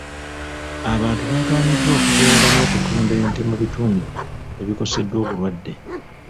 Abantu bagaaniddwa okugenda n'okutunda ente mu bitundu ebikoseddwa obulwadde.